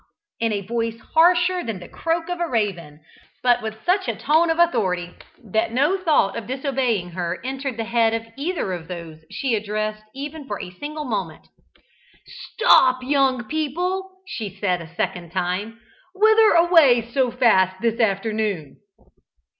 in a voice harsher than the croak of a raven, but with such a tone of authority that no thought of disobeying her entered the head of either of those she addressed even for a single moment. "Stop, young people!" she said a second time; "whither away so fast this afternoon?"